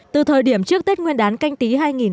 từ thời điểm trước tết nguyên đán canh tí hai nghìn hai mươi